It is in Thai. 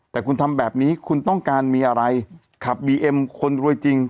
แต่คุณทำแบบนี้คุณต้องการมีอะไรขับบีเอ็มคนรวยจริง